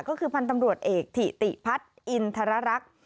ก็คือพันธ์ตำรวจเอกถิติพัฒน์อินทรรักษ์